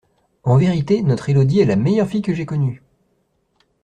En vérité, notre Élodie est la meilleure fille que j'ai connue!